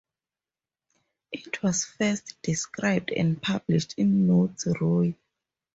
It was first described and published in Notes Roy.